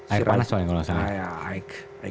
air panas soalnya kalau gak salah